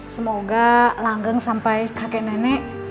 semoga langgeng sampai kakek nenek